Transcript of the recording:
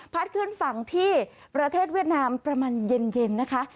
ขึ้นฝั่งที่ประเทศเวียดนามประมาณเย็นนะคะ